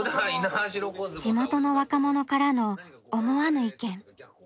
地元の若者からの思わぬ意見。